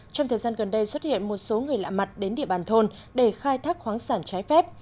trong thời gian gần đây xuất hiện một số người lạ mặt đến địa bàn thôn để khai thác khoáng sản trái phép